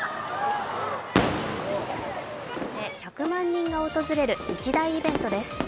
１００万人が訪れる一大イベントです。